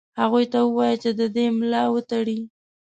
هغوی ته ووايی چې د ده ملا وتړي.